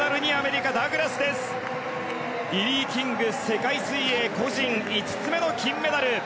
リリー・キング、世界水泳個人５つめの金メダル！